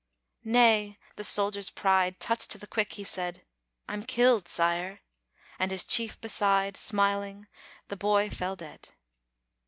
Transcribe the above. "Nay," the soldier's pride Touched to the quick, he said: "I'm killed, Sire!" And his chief beside, Smiling the boy fell dead.